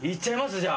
じゃあ。